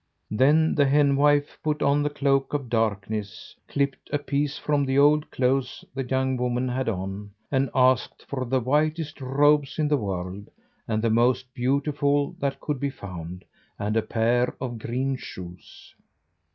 Then the henwife put on the cloak of darkness, clipped a piece from the old clothes the young woman had on, and asked for the whitest robes in the world and the most beautiful that could be found, and a pair of green shoes.